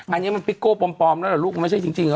อันนี้มันปลอมแล้วหรอลูกมันไม่ใช่จริงจริงหรอ